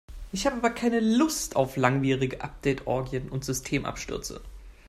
Ich habe aber keine Lust auf langwierige Update-Orgien und Systemabstürze.